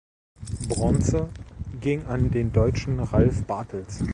Bronze ging an den Deutschen Ralf Bartels.